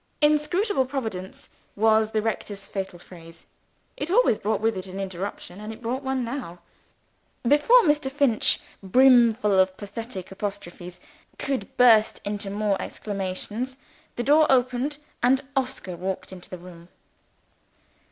"Inscrutable Providence" was the rector's fatal phrase it always brought with it an interruption; and it brought one now. Before Mr. Finch (brimful of pathetic apostrophes) could burst into more exclamations, the door opened, and Oscar walked into the room.